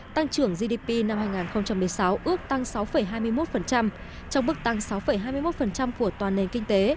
tăng trưởng gdp năm hai nghìn một mươi sáu ước tăng sáu hai mươi một trong mức tăng sáu hai mươi một của toàn nền kinh tế